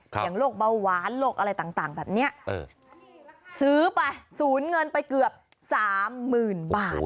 อย่างโรคเบาหวานโรคอะไรต่างแบบนี้ซื้อไปสูญเงินไปเกือบสามหมื่นบาท